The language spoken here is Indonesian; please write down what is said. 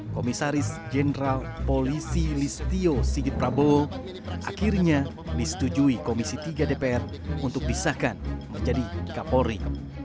komisaris jenderal polisi listio sigit prabowo akhirnya disetujui komisi tiga dpr untuk disahkan menjadi kapolri